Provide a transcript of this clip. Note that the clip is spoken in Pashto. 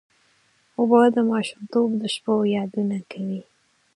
اوبه د ماشومتوب د شپو یادونه کوي.